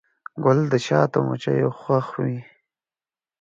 ګل د شاتو مچیو خوښ وي.